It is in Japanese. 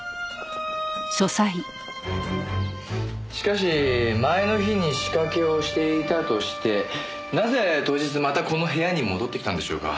しかし前の日に仕掛けをしていたとしてなぜ当日またこの部屋に戻ってきたんでしょうか？